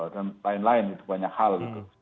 dan lain lain itu banyak hal gitu